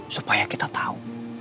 supaya kita tau